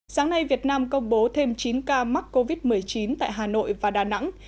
sáng nay việt nam công bố thêm chín ca mắc covid một mươi chín tại hà nội và đà nẵng